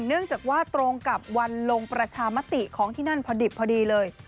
เนื่องจากว่าตรงกับวันลงประชามติของที่นั่นพอดิบพอดีเลย